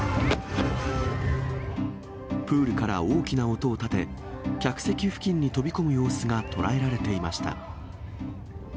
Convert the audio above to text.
プールから大きな音を立て、客席付近に飛び込む様子が捉えられていました。